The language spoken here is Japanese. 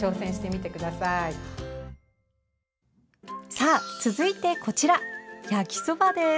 さあ、続いてこちら焼きそばです。